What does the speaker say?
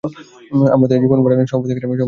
আমাদের জীবণ কাটানোর সব অধিকার ছিনিয়ে নেওয়া হয়েছে।